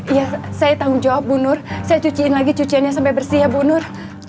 ya saya tanggung jawab bu nur saya cuciin lagi cuciannya sampai bersih ya bu nur